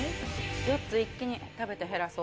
４つ一気に食べて減らそう。